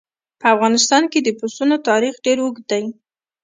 په افغانستان کې د پسونو تاریخ ډېر اوږد دی.